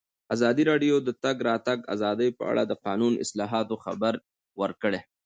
ازادي راډیو د د تګ راتګ ازادي په اړه د قانوني اصلاحاتو خبر ورکړی.